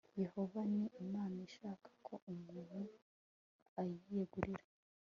yehova ni imana ishaka ko umuntu ayiyegurira